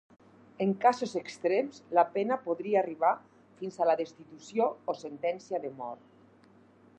En casos extrems, la pena podria arribar fins a la destitució o sentència de mort.